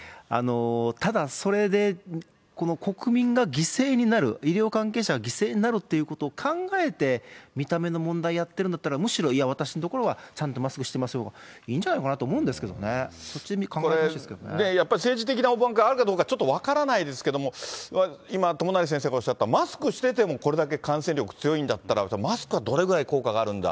ただそれで、この国民が犠牲になる、医療関係者が犠牲になるっていうことを考えて、見た目の問題をやってるんだったら、むしろ、いや、私のところはちゃんとマスクしてますよがいいんじゃないかなと思やっぱ、政治的な思惑があるのか、ちょっと分からないですけれども、今、友成先生がおっしゃったマスクしててもこれだけ感染力、強いんだったら、マスクはどれぐらい効果があるんだ。